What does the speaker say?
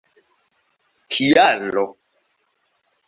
kialo